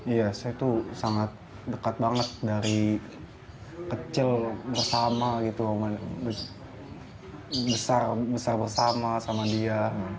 iya saya tuh sangat dekat banget dari kecil bersama gitu besar bersama sama dia